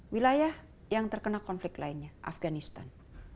wilayah yang terkena konflik lainnya afganistan